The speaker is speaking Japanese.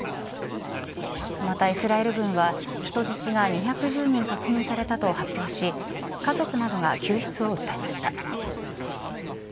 また、イスラエル軍は人質が２１０人確認されたと発表し家族などが救出を訴えました。